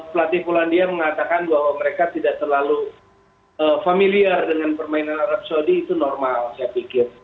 pelatih polandia mengatakan bahwa mereka tidak terlalu familiar dengan permainan arab saudi itu normal saya pikir